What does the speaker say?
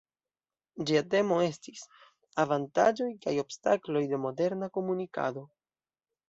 Ĝia temo estis "Avantaĝoj kaj obstakloj de moderna komunikado".